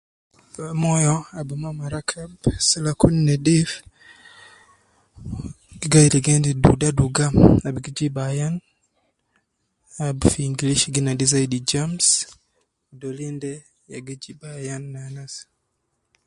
Moyo ab ma marakab, sala kun nedif, gi gai ligo endi duda duga al gi jib ayan, ab fi englisi gi nadi zaidi germs, dolin de ya gi jib ayan ne anas